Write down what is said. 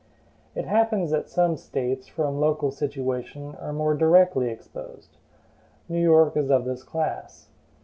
It happens that some States, from local situation, are more directly exposed. New York is of this class.